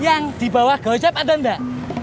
yang di bawah gojek ada enggak